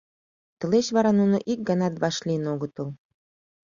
Тылеч вара нуно ик ганат вашлийын огытыл.